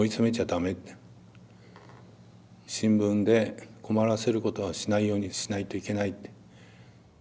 「新聞で困らせることはしないようにしないといけない」って。